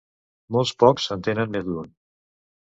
Molt pocs en tenen més d'un.